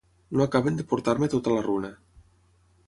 No acaben de portar-me tota la runa.